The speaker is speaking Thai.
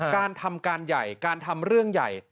การทำการใหญ่การทำเรื่องใหญ่